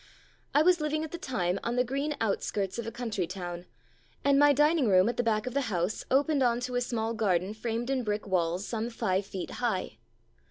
I was living at the time on the green outskirts of a country town, and my dining room at the back of the house opened on to a small garden framed in brick walls some five feet high.